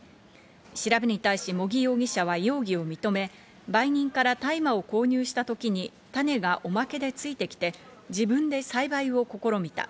調べに対し、茂木容疑者は容疑を認め、売人から大麻を購入したときに種がおまけでついてきて自分で栽培を試みた。